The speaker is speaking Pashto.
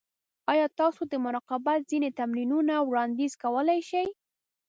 ایا تاسو د مراقبت ځینې تمرینونه وړاندیز کولی شئ؟